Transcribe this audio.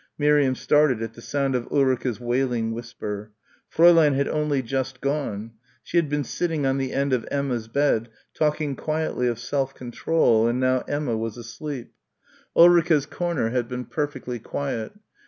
Miriam started at the sound of Ulrica's wailing whisper. Fräulein had only just gone. She had been sitting on the end of Emma's bed talking quietly of self control and now Emma was asleep. Ulrica's corner had been perfectly quiet.